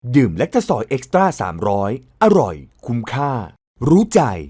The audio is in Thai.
ดื่มแลกทสอยเอ็กซ์ตร้าสามร้อยอร่อยคุ้มค่ารู้ใจ